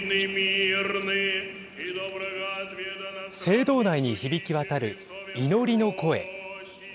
聖堂内に響き渡る祈りの声。